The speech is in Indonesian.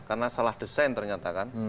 karena salah desain ternyata kan